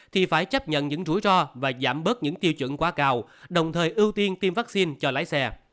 thì phải chấp nhận những rủi ro và giảm bớt những tiêu chuẩn quá cao đồng thời ưu tiên tiêm vaccine cho lái xe